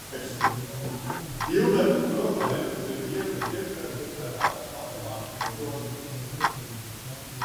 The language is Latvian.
Hilberta problēmās ir ietvertas dažādas matemātikas nozares.